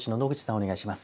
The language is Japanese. お願いします。